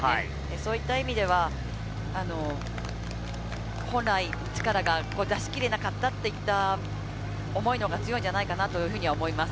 そういった意味では本来の力が出し切れなかったといった思いの方が強いんじゃないかなと思います。